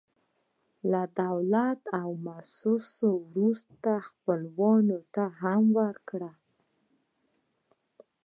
له دولت او موسسو وروسته، خپلوانو ته هم ورکړه.